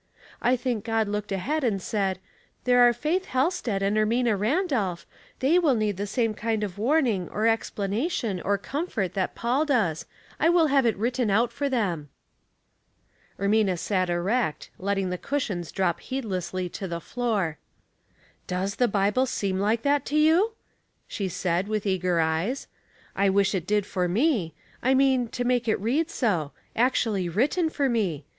I think God looked ahead and said, * There are Faith Halstead and Ermina Ran dolph, they will need the same kind of warning, or explanation, or comfort that Paul does. J will have it written out for them." 308 Household Puzzles. Ermina sat erect, letting the cushions drop heedlessly to the floor. " Does the Bible seem like that to you ?" she said, with eager eyes. " I wish it did to me. I mean to make it read so. Actually written for me